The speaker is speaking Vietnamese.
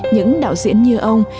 những đạo diễn như ông